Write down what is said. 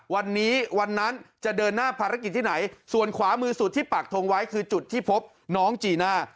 วันนี้วันนั้นจะเดินหน้าภารกิจที่ไหนส่วนขวามือสุดที่ปากทงไว้คือจุดที่พบน้องจีน่า